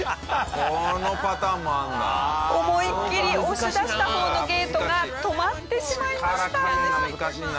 思いっきり押し出した方のゲートが止まってしまいました。